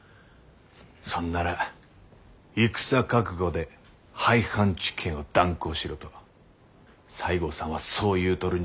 そんなら戦覚悟で廃藩置県を断行しろと西郷さんはそう言うとるんじゃ。